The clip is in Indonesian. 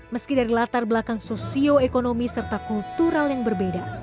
meski dari latar belakang sosioekonomi serta kultural yang berbeda